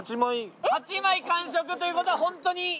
８枚完食ということは本当に。